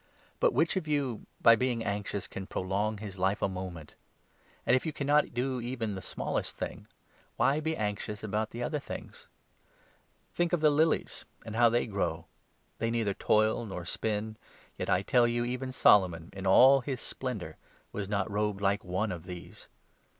But which of you, by being anxious, 25 can prolong his life a moment ? And, if you cannot do even 26 the smallest thing, why be anxious about other things ? Think 27 of the lilies, and how they grow. They neither toil nor spin ; yet, I tell you, even Solomon in all his splendour was nc<: robed like one of these.